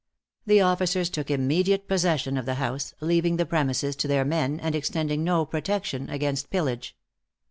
The officers took immediate possession of the house, leaving the premises to their men, and extending no protection against pillage.